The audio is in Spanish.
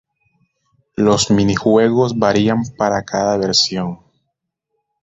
Los minijuegos varían para cada versión.